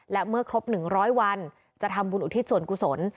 และเมื่อครบหนึ่งร้อยวันจะทำบุญอุทิศส่วนกุศล